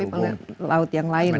tapi pengen laut yang lain lah